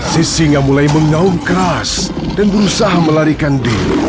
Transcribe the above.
sisinga mulai mengaung keras dan berusaha melarikan diri